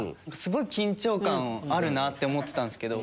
あるなって思ってたんですけど。